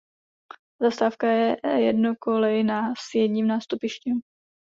Zastávka je jednokolejná s jedním nástupištěm.